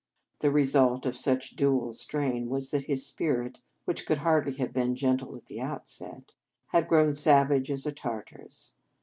The result of such dual strain was that his spirit, which could hardly have been gentle at the outset, had grown savage as a Tartar s.